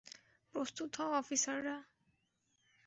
প্রস্তুত হও অফিসাররা!